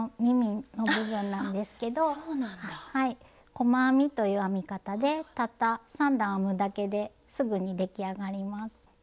「細編み」という編み方でたった３段編むだけですぐに出来上がります。